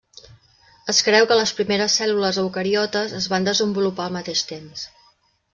Es creu que les primeres cèl·lules eucariotes es van desenvolupar al mateix temps.